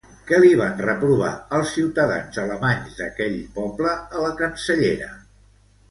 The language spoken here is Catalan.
Què li van reprovar els ciutadans alemanys d'aquell poble a la cancellera?